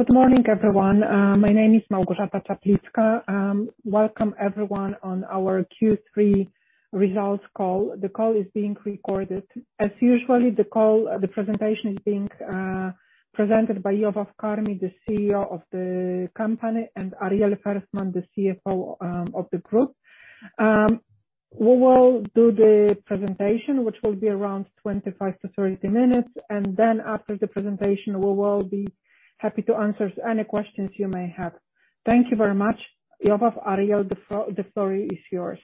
Good morning, everyone. My name is Malgorzata Czaplicka. Welcome everyone on our Q3 results call. The call is being recorded. As usual, the presentation is being presented by Yovav Carmi, the CEO of the company, and Ariel Ferstman, the CFO of the group. We will do the presentation, which will be around 25-30 minutes, and then after the presentation, we will be happy to answer any questions you may have. Thank you very much. Yovav, Ariel, the floor is yours.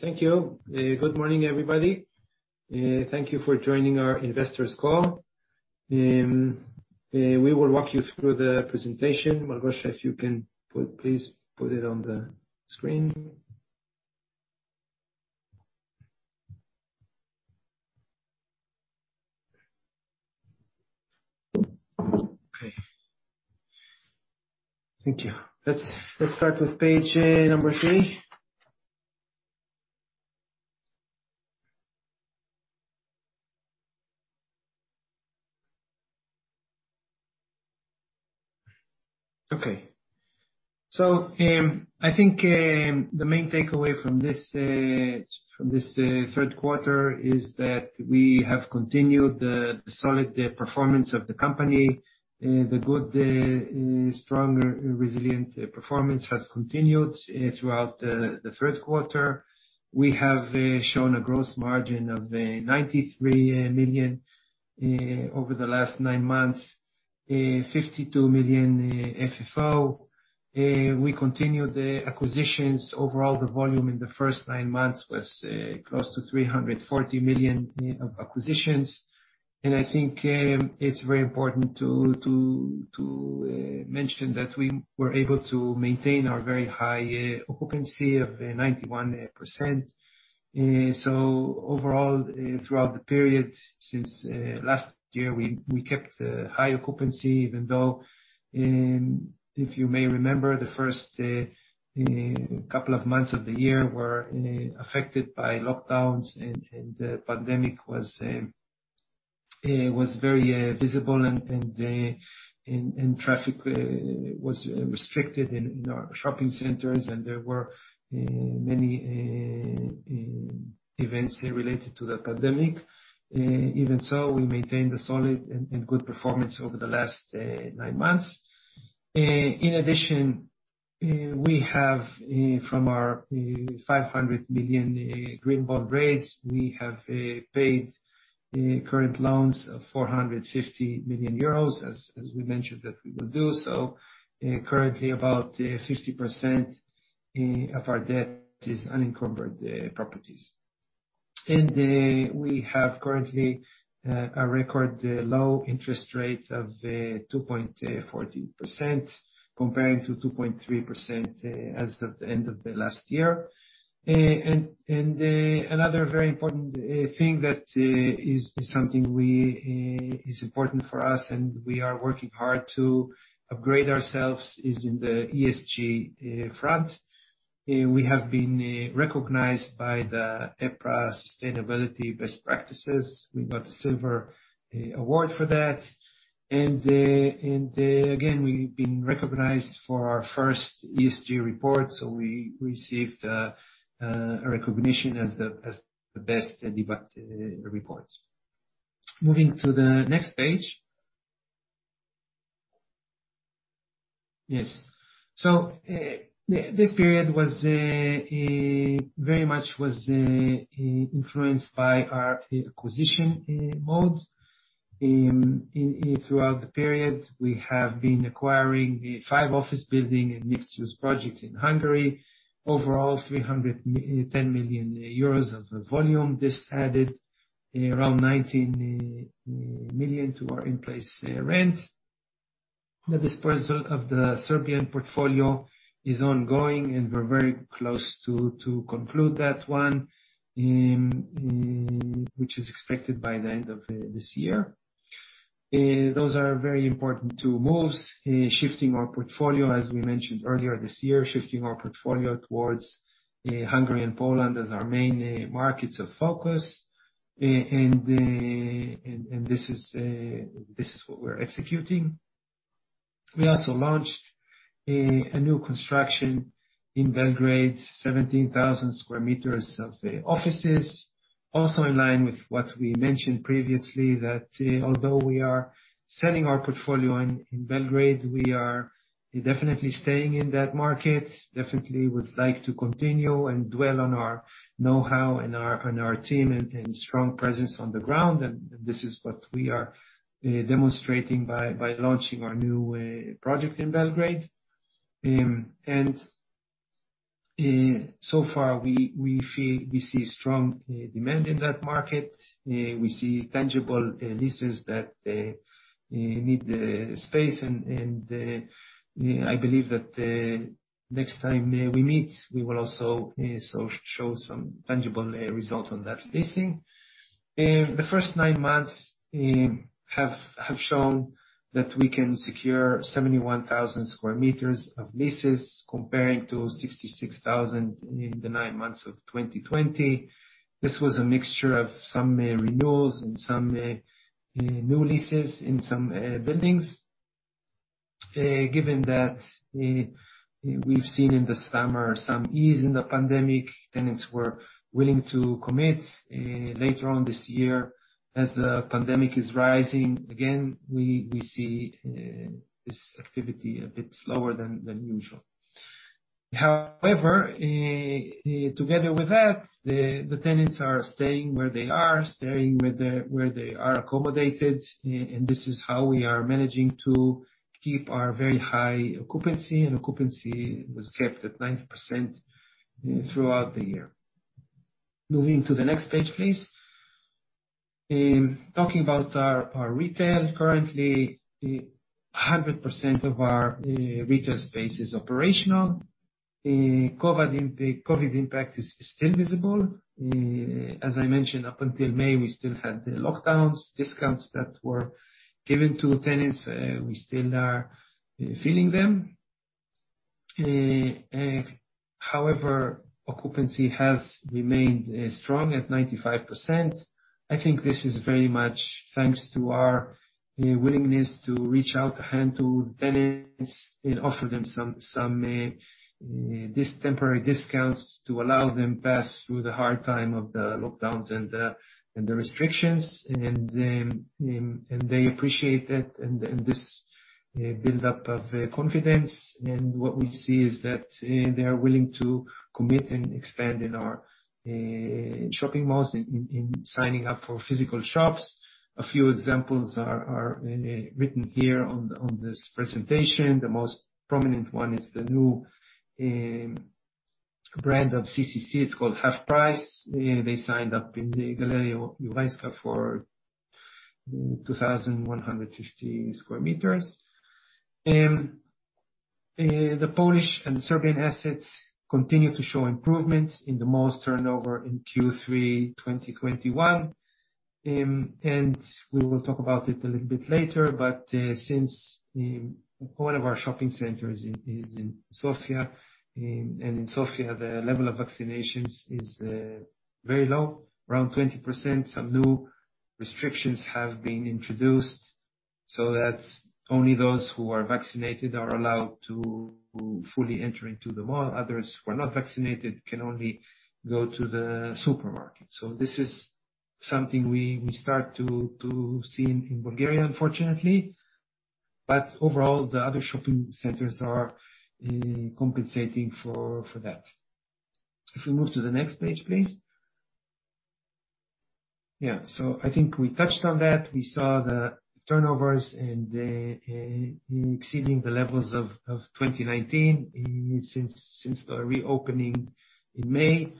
Thank you. Good morning, everybody. Thank you for joining our investors' call. We will walk you through the presentation. Malgosia, please put it on the screen. Okay. Thank you. Let's start with page number three. Okay. I think the main takeaway from this third quarter is that we have continued the solid performance of the company. The good strong resilient performance has continued throughout the third quarter. We have shown a gross margin of 93 million over the last nine months. 52 million FFO. We continue the acquisitions. Overall, the volume in the first nine months was close to 340 million of acquisitions. I think it's very important to mention that we were able to maintain our very high occupancy of 91%. Overall, throughout the period since last year, we kept a high occupancy even though, if you may remember, the first couple of months of the year were affected by lockdowns and the pandemic was very visible and traffic was restricted in our shopping centers, and there were many events related to the pandemic. Even so, we maintained a solid and good performance over the last nine months. In addition, we have from our 500 million green bond raise, we have paid current loans of 450 million euros, as we mentioned that we will do. Currently about 50% of our debt is unencumbered properties. We have currently a record low interest rate of 2.14% comparing to 2.3% as of the end of the last year. Another very important thing that is important for us and we are working hard to upgrade ourselves is in the ESG front. We have been recognized by the EPRA Sustainability Best Practices. We got a silver award for that. We've been recognized for our first ESG report, so we received a recognition as the best debut report. Moving to the next page. Yes. This period was very much influenced by our acquisition mode. Throughout the period, we have been acquiring the five office building and mixed-use project in Hungary. Overall, 310 million euros of volume. This added around 19 million to our in-place rent. The disposal of the Serbian portfolio is ongoing, and we're very close to conclude that one, which is expected by the end of this year. Those are very important two moves. Shifting our portfolio, as we mentioned earlier this year, shifting our portfolio towards Hungary and Poland as our main markets of focus. This is what we're executing. We also launched a new construction in Belgrade, 17,000 sq m of offices. Also in line with what we mentioned previously, that although we are selling our portfolio in Belgrade, we are definitely staying in that market. We definitely would like to continue and build on our know-how and our team and strong presence on the ground. This is what we are demonstrating by launching our new project in Belgrade. So far we see strong demand in that market. We see tangible leases that need the space and I believe that next time we meet we will also show some tangible results on that leasing. The first nine months have shown that we can secure 71,000 sq m of leases compared to 66,000 in the nine months of 2020. This was a mixture of some renewals and some new leases in some buildings. Given that we've seen in the summer some ease in the pandemic, tenants were willing to commit. Later on this year, as the pandemic is rising again, we see this activity a bit slower than usual. However, together with that, the tenants are staying where they are, staying where they are accommodated. This is how we are managing to keep our very high occupancy, and occupancy was kept at 90% throughout the year. Moving to the next page, please. Talking about our retail. Currently, 100% of our retail space is operational. The COVID impact is still visible. As I mentioned, up until May, we still had the lockdowns. Discounts that were given to tenants, we still are feeling them. However, occupancy has remained strong at 95%. I think this is very much thanks to our willingness to reach out a hand to tenants and offer them some temporary discounts to allow them pass through the hard time of the lockdowns and the restrictions. They appreciate it. This build-up of confidence. What we see is that they are willing to commit and expand in our shopping malls in signing up for physical shops. A few examples are written here on this presentation. The most prominent one is the new brand of CCC. It's called Half Price. They signed up in Galeria Lwowska for 2,150 square meters. The Polish and Serbian assets continue to show improvements in the malls turnover in Q3 2021. We will talk about it a little bit later, but since one of our shopping centers is in Sofia, and in Sofia, the level of vaccinations is very low, around 20%. Some new restrictions have been introduced so that only those who are vaccinated are allowed to fully enter into the mall. Others who are not vaccinated can only go to the supermarket. This is something we start to see in Bulgaria, unfortunately. Overall, the other shopping centers are compensating for that. If we move to the next page, please. Yeah. I think we touched on that. We saw the turnovers exceeding the levels of 2019 since the reopening in May.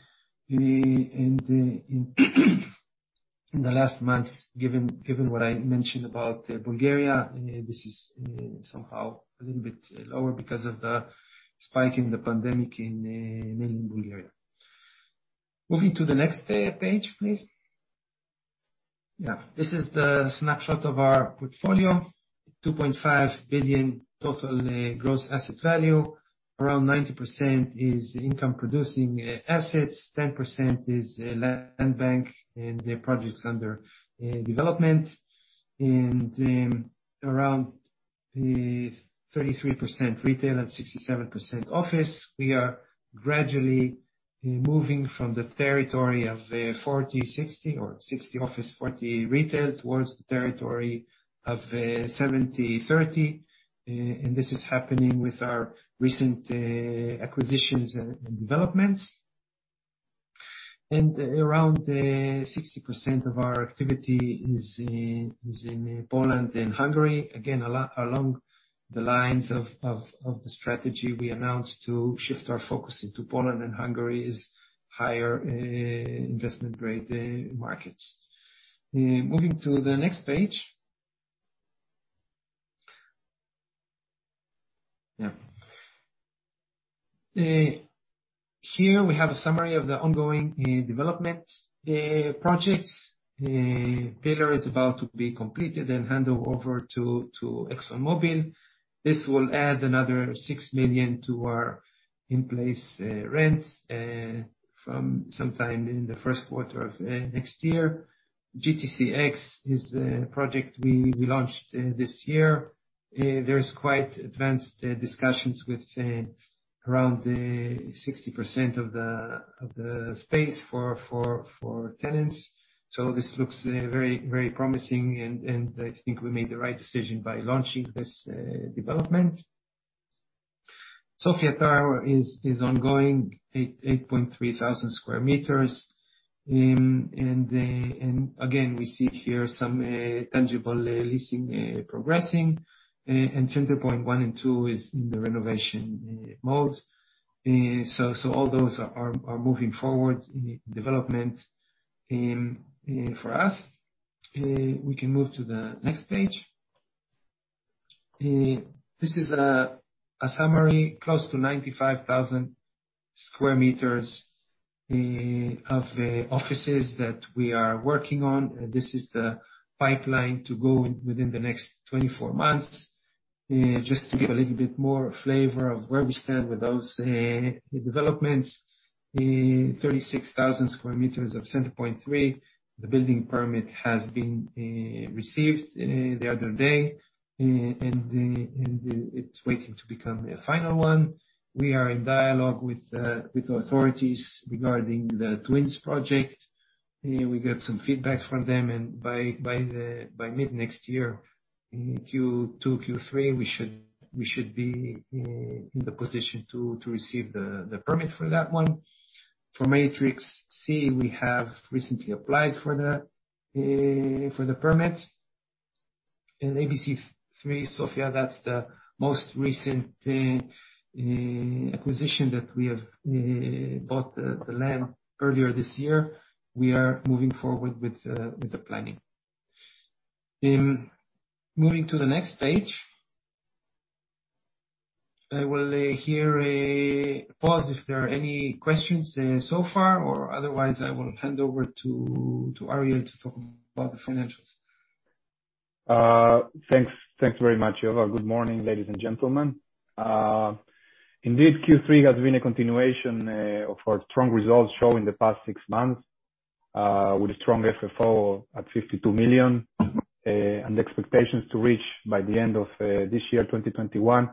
In the last months, given what I mentioned about Bulgaria, this is somehow a little bit lower because of the spike in the pandemic in Bulgaria. Moving to the next page, please. Yeah. This is the snapshot of our portfolio. 2.5 billion total gross asset value. Around 90% is income-producing assets. 10% is land bank and the projects under development. Around 33% retail and 67% office. We are gradually moving from the territory of 40/60 or 60 office/40 retail towards the territory of 70/30. This is happening with our recent acquisitions and developments. Around 60% of our activity is in Poland and Hungary. Again, along the lines of the strategy we announced to shift our focus into Poland and Hungary's higher investment grade markets. Moving to the next page. Here we have a summary of the ongoing developments projects. Pillar is about to be completed and handed over to ExxonMobil. This will add another 6 million to our in-place rents from sometime in the first quarter of next year. GTC X is a project we launched this year. There is quite advanced discussions with around 60% of the space for tenants. This looks very promising. I think we made the right decision by launching this development. Sofia Tower is ongoing, 8,300 sq m. Again, we see here some tangible leasing progressing. Center Point 1 and 2 is in the renovation mode. All those are moving forward in development for us. We can move to the next page. This is a summary, close to 95,000 sq m of offices that we are working on. This is the pipeline to go within the next 24 months. Just to give a little bit more flavor of where we stand with those developments. In 36,000 sq m of Center Point Three, the building permit has been received the other day. It's waiting to become the final one. We are in dialogue with the authorities regarding the Twins project. We got some feedback from them and by mid next year, in Q2, Q3, we should be in the position to receive the permit for that one. For Matrix C, we have recently applied for the permit. In ABC Three, Sofia, that's the most recent acquisition that we have bought the land earlier this year. We are moving forward with the planning. Moving to the next page. I will here pause if there are any questions so far, or otherwise, I will hand over to Ariel to talk about the financials. Thanks very much, Ieva. Good morning, ladies and gentlemen. Indeed, Q3 has been a continuation of our strong results shown in the past six months, with a strong FFO at 52 million, and expectations to reach by the end of this year, 2021,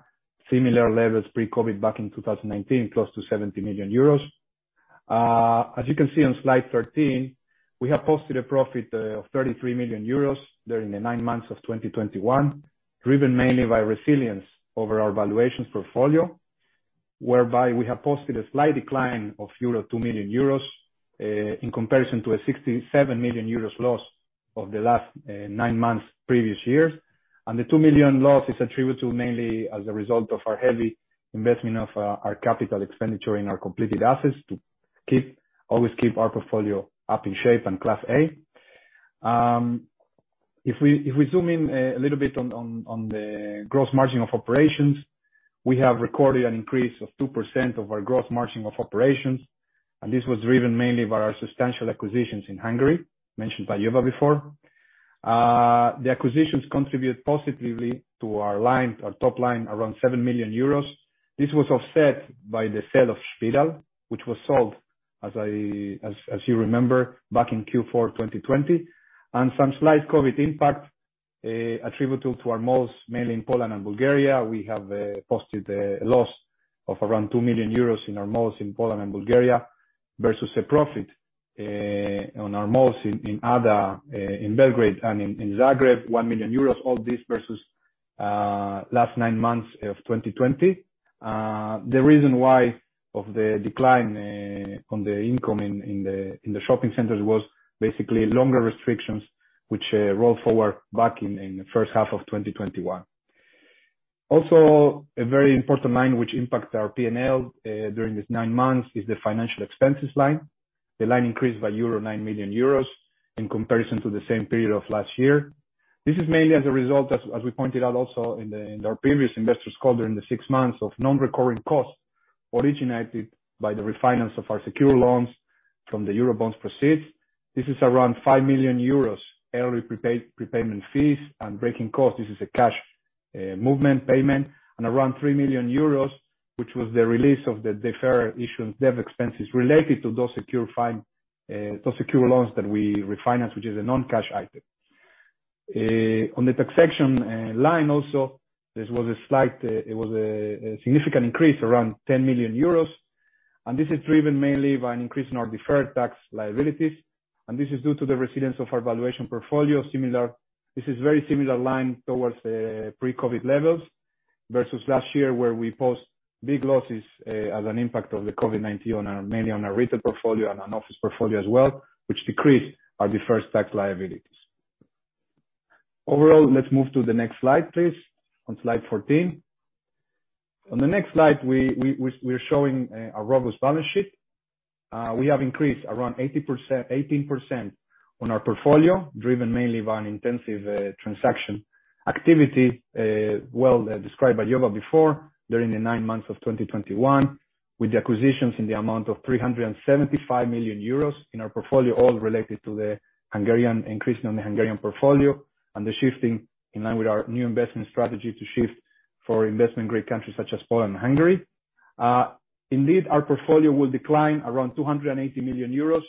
similar levels pre-COVID back in 2019, close to 70 million euros. As you can see on slide 13, we have posted a profit of 33 million euros during the nine months of 2021, driven mainly by revaluation of our portfolio, whereby we have posted a slight decline of 2 million euros in comparison to a 67 million euros loss of the previous nine months. The 2 million loss is attributed mainly as a result of our heavy investment of our capital expenditure in our completed assets to always keep our portfolio up in shape and Class A. If we zoom in a little bit on the gross margin of operations, we have recorded an increase of 2% of our gross margin of operations, and this was driven mainly by our substantial acquisitions in Hungary, mentioned by Ieva before. The acquisitions contribute positively to our top line, around 7 million euros. This was offset by the sale of Spiral, which was sold as you remember, back in Q4 2020, and some slight COVID impact, attributable to our malls mainly in Poland and Bulgaria. We have posted a loss of around 2 million euros in our malls in Poland and Bulgaria versus a profit on our malls in Ada in Belgrade and in Zagreb, 1 million euros. All this versus last nine months of 2020. The reason why of the decline on the income in the shopping centers was basically longer restrictions which rolled forward back in the first half of 2021. Also, a very important line which impacted our P&L during these nine months is the financial expenses line. The line increased by nine million euros in comparison to the same period of last year. This is mainly as a result we pointed out also in our previous investors call during the six months, of non-recurring costs originated by the refinance of our secured loans from the Eurobond proceeds. This is around 5 million euros early prepayment fees and breakage costs. This is a cash movement payment. Around 3 million euros, which was the release of the deferred issue and debt expenses related to those secured loans that we refinanced, which is a non-cash item. On the tax section line also, this was a significant increase, around 10 million euros. This is driven mainly by an increase in our deferred tax liabilities, and this is due to the resilience of our valuation portfolio. Similar This is very similar in line with pre-COVID levels versus last year, where we post big losses as an impact of the COVID-19 mainly on our retail portfolio and on office portfolio as well, which decreased our deferred tax liabilities. Overall, let's move to the next slide, please, on slide 14. On the next slide, we're showing a robust balance sheet. We have increased around 18% on our portfolio, driven mainly by an intensive transaction activity well described by Ieva before, during the nine months of 2021, with acquisitions in the amount of 375 million euros in our portfolio, all related to the Hungarian increase in the Hungarian portfolio and the shifting in line with our new investment strategy to shift for investment grade countries such as Poland and Hungary. Indeed, our portfolio will decline around 280 million euros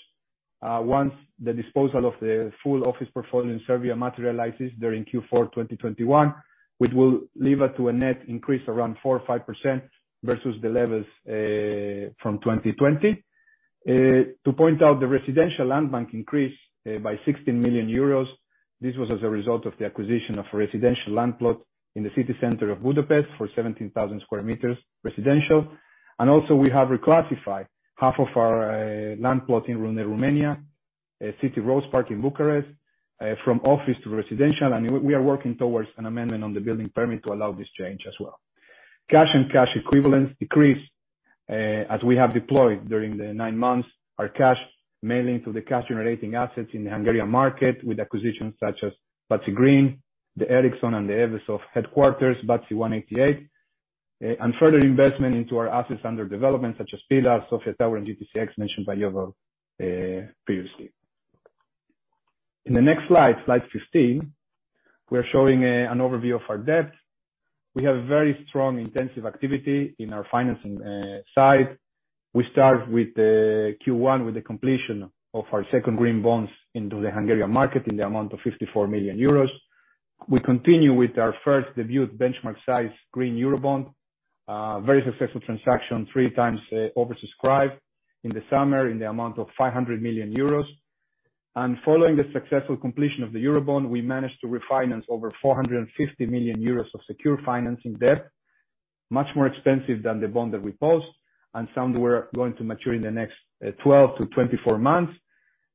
once the disposal of the full office portfolio in Serbia materializes during Q4 2021, which will leave us to a net increase around 4% or 5% versus the levels from 2020. To point out, the residential land bank increased by 16 million euros. This was as a result of the acquisition of a residential land plot in the city center of Budapest for 17,000 sq m residential. Also, we have reclassified half of our land plot in Romania, City Rose Park in Bucharest, from office to residential, and we are working towards an amendment on the building permit to allow this change as well. Cash and cash equivalents decreased as we have deployed during the nine months our cash, mainly to the cash-generating assets in the Hungarian market with acquisitions such as Váci Greens, the Ericsson and the ExxonMobil headquarters, Váci 188, and further investment into our assets under development such as Pillar, Sofia Tower, and GTC X, mentioned by Ieva previously. In the next slide 15, we are showing an overview of our debt. We have very strong intensive activity in our financing side. We start with the Q1 with the completion of our second green bonds into the Hungarian market in the amount of 54 million euros. We continue with our first debuted benchmark size green Eurobond, very successful transaction, three times oversubscribed in the summer in the amount of 500 million euros. Following the successful completion of the Eurobond, we managed to refinance over 450 million euros of secured financing debt, much more expensive than the bond that we post and some were going to mature in the next 12-24 months.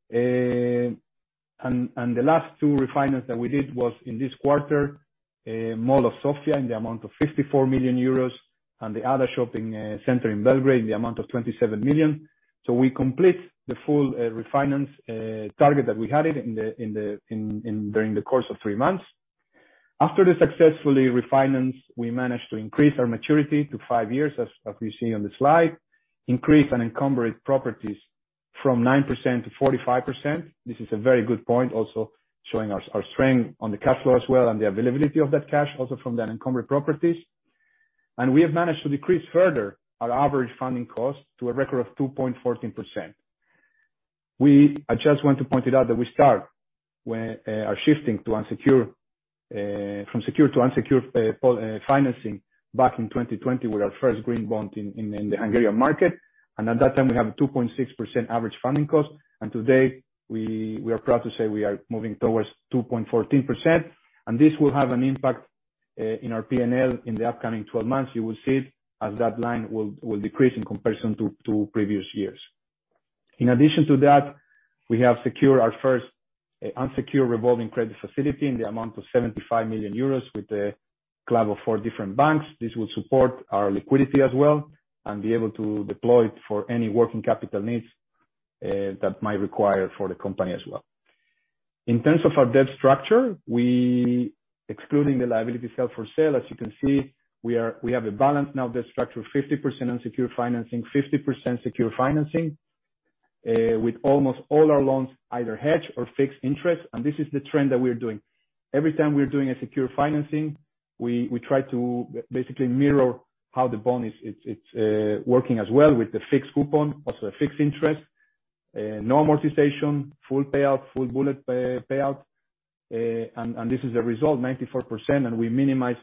The last two refinance that we did was in this quarter, Mall of Sofia in the amount of 54 million euros and the other shopping center in Belgrade in the amount of 27 million. We complete the full refinance target that we had during the course of three months. After the successful refinance, we managed to increase our maturity to five years, as we see on the slide, increase and encumber properties from 9% to 45%. This is a very good point, also showing us our strength on the cash flow as well and the availability of that cash also from that encumbered properties. We have managed to decrease further our average funding cost to a record of 2.14%. I just want to point it out that we started shifting to unsecured from secured to unsecured financing back in 2020 with our first green bond in the Hungarian market. At that time, we have a 2.6% average funding cost. Today, we are proud to say we are moving towards 2.14%. This will have an impact in our P&L in the upcoming 12 months. You will see it as that line will decrease in comparison to previous years. In addition to that, we have secured our first unsecured revolving credit facility in the amount of 75 million euros with a club of four different banks. This will support our liquidity as well and be able to deploy it for any working capital needs that might require for the company as well. In terms of our debt structure, excluding the liabilities held for sale, as you can see, we have a balanced debt structure now, 50% unsecured financing, 50% secured financing, with almost all our loans either hedged or fixed interest. This is the trend that we are doing. Every time we're doing a secured financing, we try to basically mirror how the bond is working as well with the fixed coupon, also a fixed interest, no amortization, full payout, full bullet payout. This is a result, 94%, and we minimize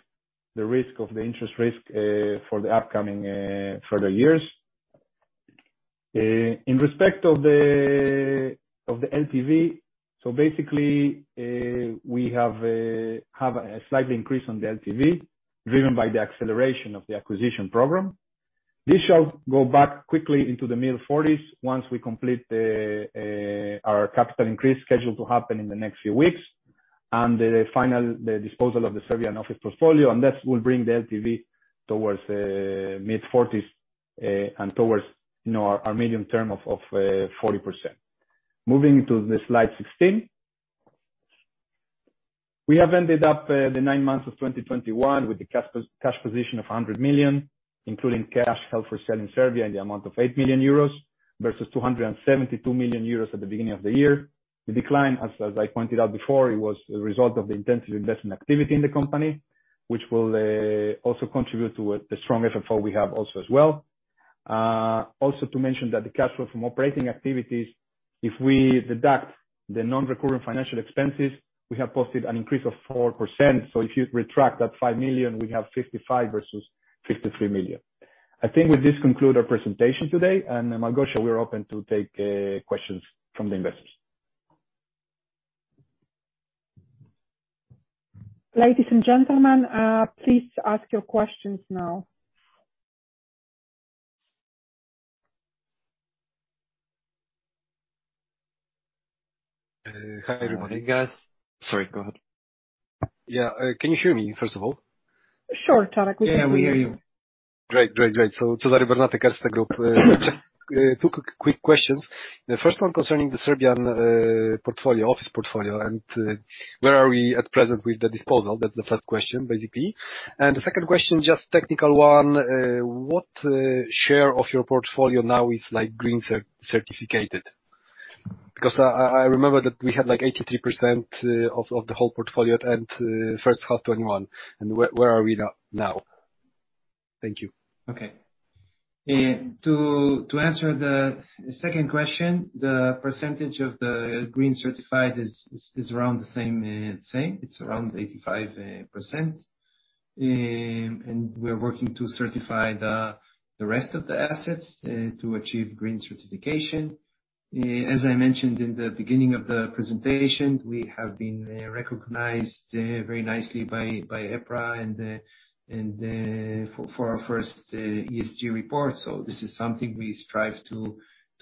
the risk of the interest rate risk for the upcoming further years. In respect of the LTV, so basically, we have a slight increase on the LTV driven by the acceleration of the acquisition program. This shall go back quickly into the mid-40s once we complete our capital increase scheduled to happen in the next few weeks and the disposal of the Serbian office portfolio, and that will bring the LTV towards mid-40s and towards, you know, our medium term of 40%. Moving to slide 16. We have ended up the nine months of 2021 with the cash position of 100 million, including cash held for sale in Serbia in the amount of 8 million euros versus 272 million euros at the beginning of the year. The decline, as I pointed out before, it was a result of the intensive investment activity in the company, which will also contribute to the strong FFO we have also as well. Also to mention that the cash flow from operating activities, if we deduct the non-recurring financial expenses, we have posted an increase of 4%. If you subtract that 5 million, we have 55 million versus 53 million. I think with this we conclude our presentation today. Then, Margosha, we're open to take questions from the investors. Ladies and gentlemen, please ask your questions now. Hi, everybody. Good morning, guys. Sorry, go ahead. Yeah. Can you hear me, first of all? Sure, Cezary Bernatek, we can hear you. Yeah. We hear you. Cezary Bernatek, Erste Group. Just two quick questions. The first one concerning the Serbian office portfolio, and where are we at present with the disposal? That's the first question, basically. The second question, just technical one, what share of your portfolio now is like green certificated? Because I remember that we had like 83% of the whole portfolio at first half 2021. Where are we now? Thank you. Okay. To answer the second question, the percentage of the green certified is around the same. It's around 85%. We are working to certify the rest of the assets to achieve green certification. As I mentioned in the beginning of the presentation, we have been recognized very nicely by EPRA and for our first ESG report. This is something we strive to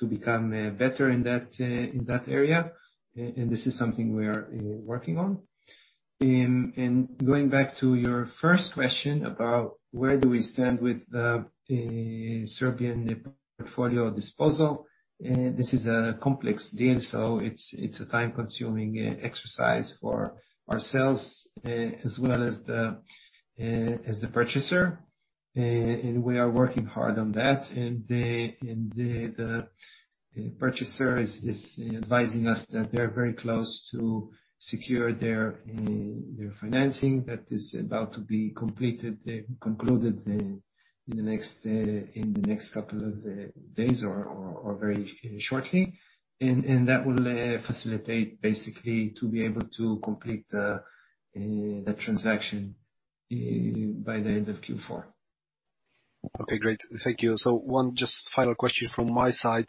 become better in that area. This is something we are working on. Going back to your first question about where we stand with the Serbian portfolio disposal, this is a complex deal, so it's a time-consuming exercise for ourselves as well as the purchaser. We are working hard on that. The purchaser is advising us that they're very close to secure their financing that is about to be concluded in the next couple of days or very shortly. That will facilitate basically to be able to complete the transaction by the end of Q4. Okay, great. Thank you. One just final question from my side.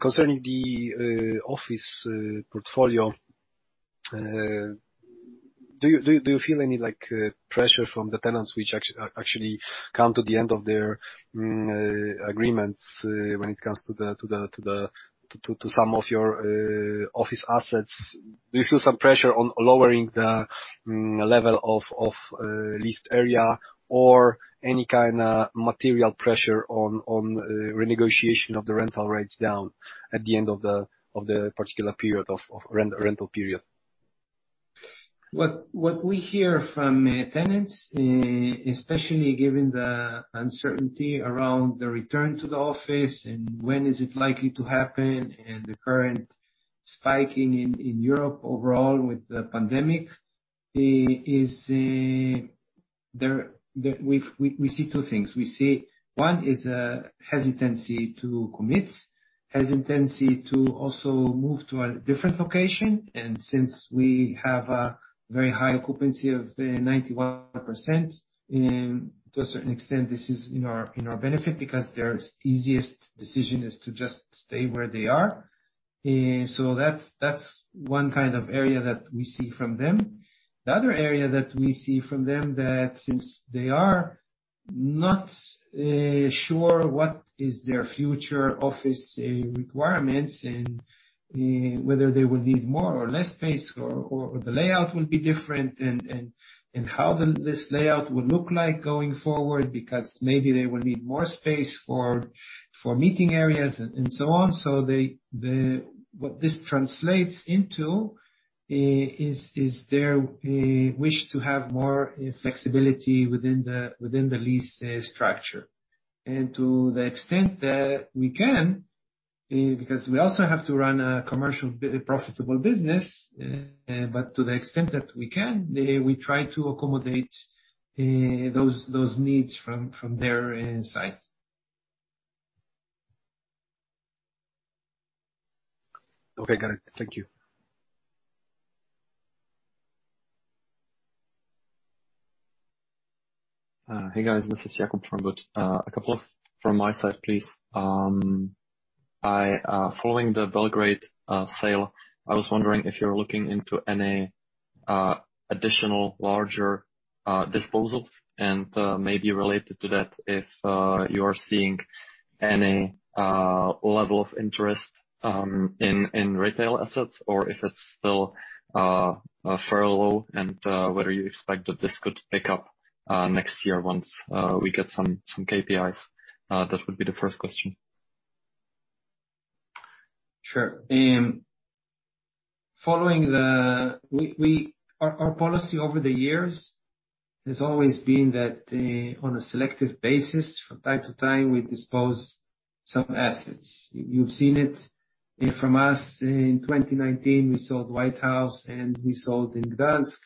Concerning the office portfolio, do you feel any, like, pressure from the tenants which actually come to the end of their agreements, when it comes to some of your office assets? Do you feel some pressure on lowering the level of leased area or any kind of material pressure on renegotiation of the rental rates down at the end of the particular period of rental period? What we hear from tenants, especially given the uncertainty around the return to the office and when is it likely to happen and the current spiking in Europe overall with the pandemic, is we see two things. We see one is a hesitancy to commit, hesitancy to also move to a different location. Since we have a very high occupancy of 91%, to a certain extent this is in our benefit because their easiest decision is to just stay where they are. That's one kind of area that we see from them. The other area that we see from them, that since they are not sure what is their future office requirements and whether they will need more or less space or the layout will be different and how this layout will look like going forward, because maybe they will need more space for meeting areas and so on. What this translates into is their wish to have more flexibility within the lease structure. To the extent that we can, because we also have to run a commercially viable and profitable business, but to the extent that we can, we try to accommodate those needs from their side. Okay, got it. Thank you. Hey, guys, this is Jakub from Wood. A couple from my side, please. Following the Belgrade sale, I was wondering if you're looking into any additional larger disposals, and maybe related to that, if you're seeing any level of interest in retail assets or if it's still fairly low, and whether you expect that this could pick up next year once we get some KPIs. That would be the first question. Sure. Our policy over the years has always been that, on a selective basis from time to time, we dispose of some assets. You've seen it from us. In 2019, we sold White House and we sold in Gdańsk,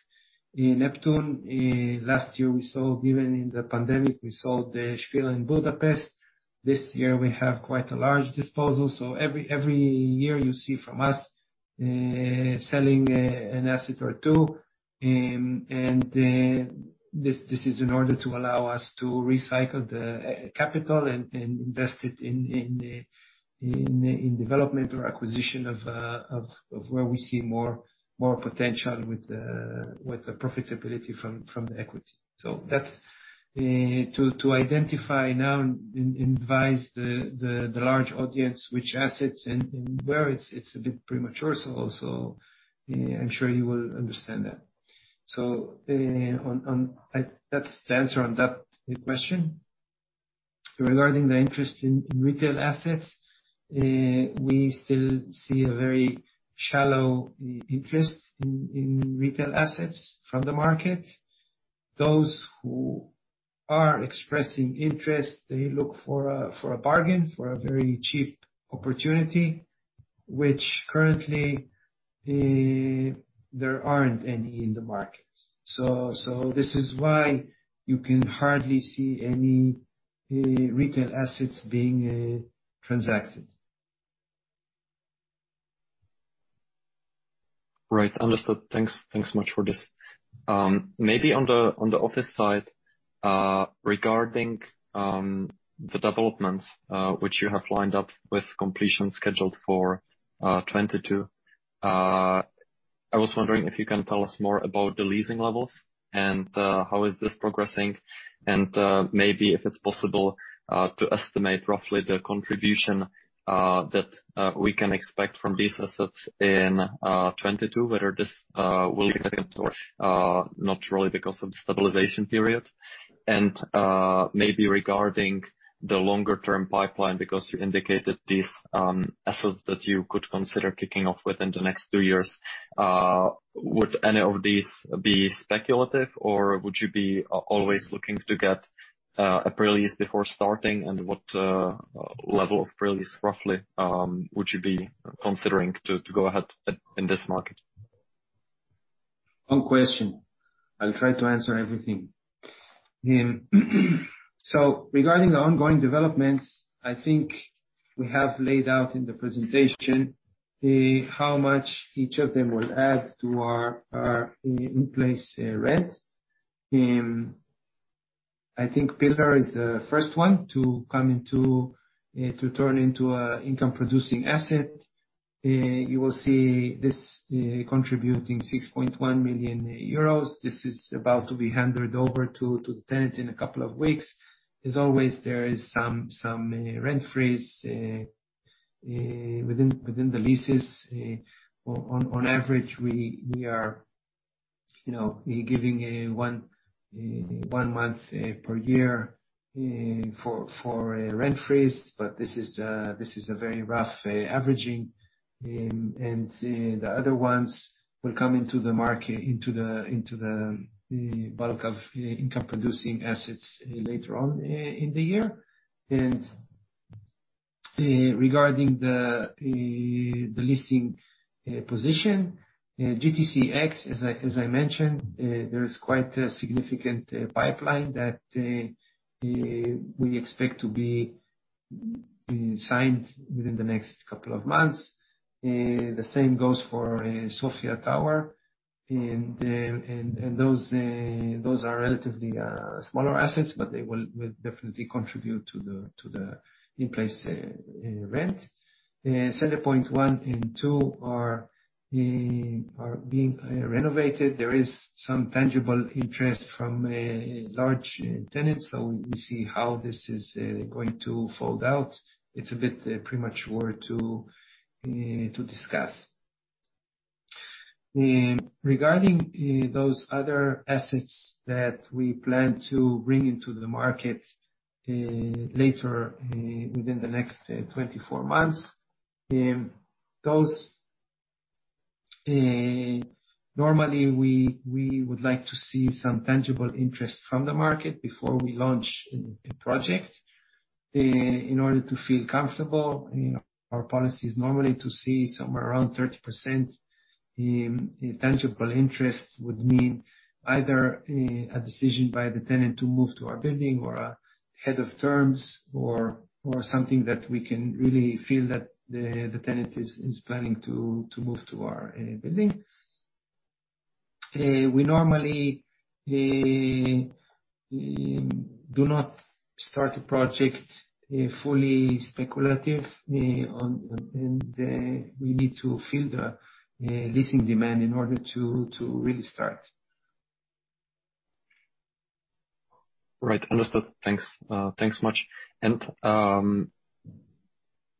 in Neptun. Last year, even in the pandemic, we sold the Spiral in Budapest. This year we have quite a large disposal. Every year you see from us selling an asset or two. This is in order to allow us to recycle the capital and invest it in development or acquisition of where we see more potential with the profitability from the equity. That's to identify now and advise the large audience which assets and where it's a bit premature. I'm sure you will understand that. That's the answer on that question. Regarding the interest in retail assets, we still see a very shallow interest in retail assets from the market. Those who are expressing interest, they look for a bargain, for a very cheap opportunity, which currently there aren't any in the market. This is why you can hardly see any retail assets being transacted. Right. Understood. Thanks. Thanks much for this. Maybe on the office side, regarding the developments which you have lined up with completion scheduled for 2022, I was wondering if you can tell us more about the leasing levels and how is this progressing? Maybe if it's possible to estimate roughly the contribution that we can expect from these assets in 2022, whether this will be second quarter, not really because of the stabilization period. Maybe regarding the longer term pipeline, because you indicated these assets that you could consider kicking off within the next two years, would any of these be speculative or would you be always looking to get a pre-lease before starting? What level of pre-lease roughly would you be considering to go ahead at, in this market? One question. I'll try to answer everything. Regarding the ongoing developments, I think we have laid out in the presentation how much each of them will add to our in-place rent. I think Pillar is the first one to come into to turn into an income-producing asset. You will see this contributing 6.1 million euros. This is about to be handed over to the tenant in a couple of weeks. As always, there is some rent freeze within the leases. On average, we are, you know, giving one month per year for a rent freeze, but this is a very rough averaging. The other ones will come into the market into the bulk of income-producing assets later on in the year. Regarding the leasing position, GTC X, as I mentioned, there is quite a significant pipeline that we expect to be signed within the next couple of months. The same goes for Sofia Tower. Those are relatively smaller assets, but they will definitely contribute to the in-place rent. Center Point 1 and 2 are being renovated. There is some tangible interest from large tenants. We see how this is going to fold out. It's a bit premature to discuss. Regarding those other assets that we plan to bring into the market later within the next 24 months, those normally we would like to see some tangible interest from the market before we launch a project in order to feel comfortable. You know, our policy is normally to see somewhere around 30%. Tangible interest would mean either a decision by the tenant to move to our building or a head of terms or something that we can really feel that the tenant is planning to move to our building. We normally do not start a project fully speculative. We need to fill the leasing demand in order to really start. Right. Understood. Thanks. Thanks much.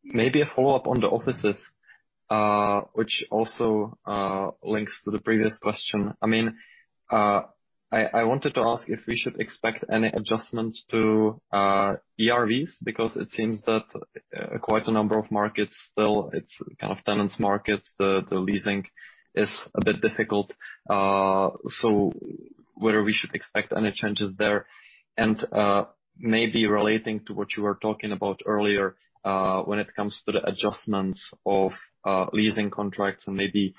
Maybe a follow-up on the offices, which also links to the previous question. I mean, I wanted to ask if we should expect any adjustments to ERVs because it seems that quite a number of markets still, it's kind of tenant markets. The leasing is a bit difficult. Whether we should expect any changes there and maybe relating to what you were talking about earlier, when it comes to the adjustments of leasing contracts and maybe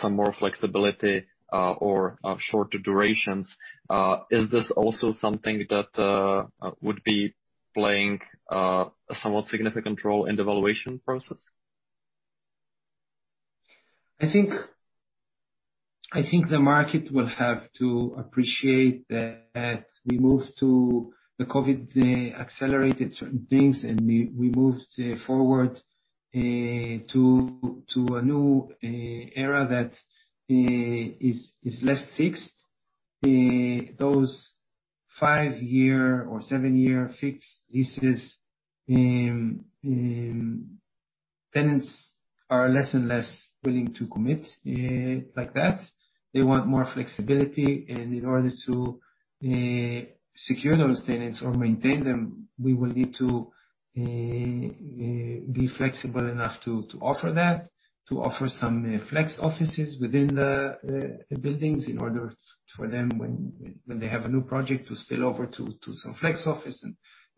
some more flexibility or shorter durations. Is this also something that would be playing a somewhat significant role in the valuation process? I think the market will have to appreciate that we moved to the COVID accelerated certain things, and we moved forward to a new era that is less fixed. Those five-year or seven-year fixed leases, tenants are less and less willing to commit like that. They want more flexibility. In order to secure those tenants or maintain them, we will need to be flexible enough to offer that, to offer some flex offices within the buildings in order for them, when they have a new project, to spill over to some flex office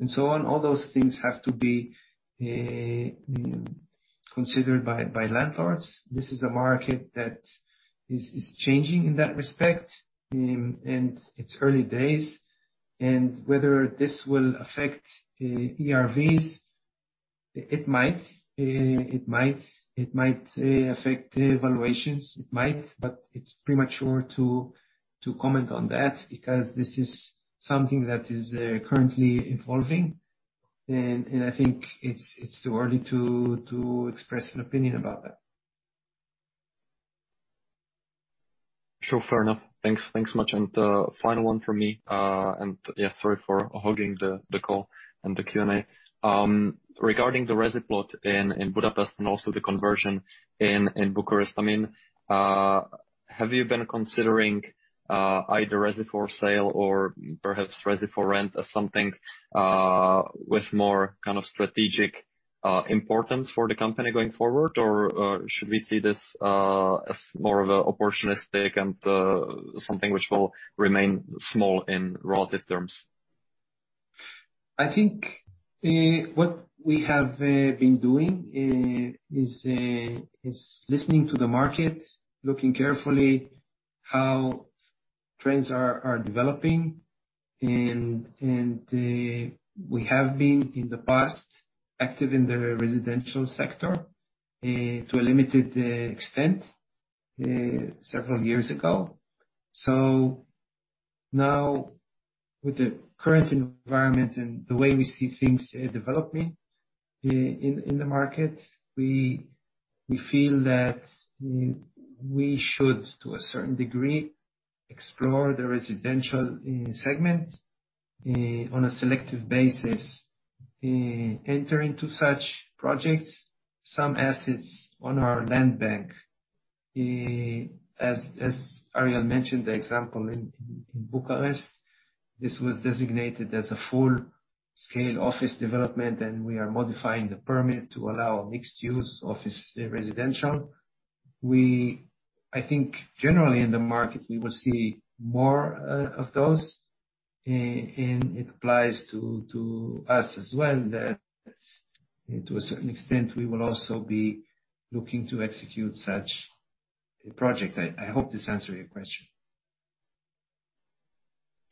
and so on. All those things have to be considered by landlords. This is a market that is changing in that respect, and it's early days. Whether this will affect ERVs, it might. It might affect valuations. It might, but it's premature to comment on that because this is something that is currently evolving, and I think it's too early to express an opinion about that. Sure. Fair enough. Thanks. Thanks much. Final one from me, and yeah, sorry for hogging the call and the Q&A. Regarding the resi plot in Budapest and also the conversion in Bucharest, I mean, have you been considering either resi for sale or perhaps resi for rent as something with more kind of strategic importance for the company going forward? Or should we see this as more of a opportunistic and something which will remain small in relative terms? I think what we have been doing is listening to the market, looking carefully how trends are developing. We have been, in the past, active in the residential sector to a limited extent several years ago. Now with the current environment and the way we see things developing in the market, we feel that we should, to a certain degree, explore the residential segment on a selective basis, enter into such projects some assets on our land bank. As Ariel mentioned, the example in Bucharest this was designated as a full-scale office development, and we are modifying the permit to allow mixed use office, residential. I think generally in the market we will see more of those, and it applies to us as well that to a certain extent we will also be looking to execute such a project. I hope this answered your question.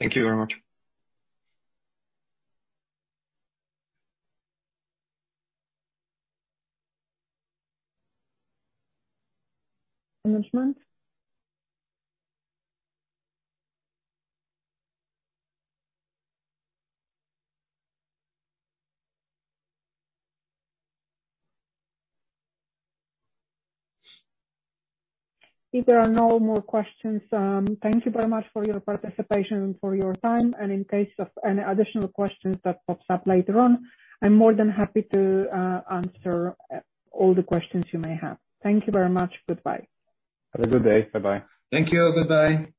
Thank you very much. Management? If there are no more questions, thank you very much for your participation and for your time. In case of any additional questions that pops up later on, I'm more than happy to answer all the questions you may have. Thank you very much. Goodbye. Have a good day. Bye-bye. Thank you. Bye-bye.